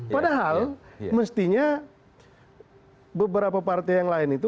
padahal mestinya beberapa partai yang lain itu